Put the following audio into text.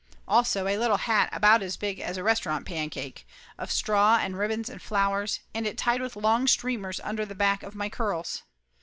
Also a little hat about as big as a restaurant pancake, of straw and ribbons and flowers, and it tied with long streamers under the back of my curls.